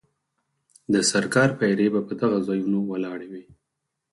د سرکار پیرې به په دغو ځایونو ولاړې وې.